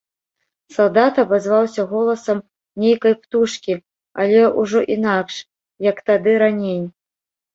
Салдат абазваўся голасам нейкай птушкі, але ўжо інакш, як тады раней.